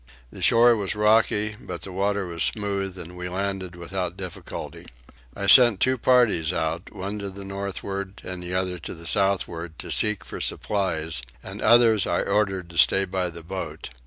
The shore was rocky but the water was smooth and we landed without difficulty. I sent two parties out, one to the northward and the other to the southward, to seek for supplies, and others I ordered to stay by the boat.